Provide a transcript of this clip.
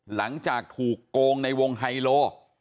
หลังจากถูกโกงในวงไฮโล